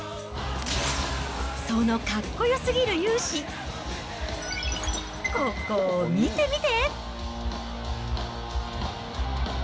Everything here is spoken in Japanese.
そのかっこよすぎる雄姿、ココ見て見て！